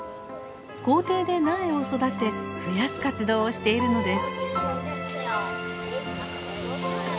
校庭で苗を育て増やす活動をしているのです。